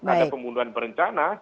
ada pembunuhan berencana